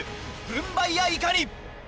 軍配やいかに？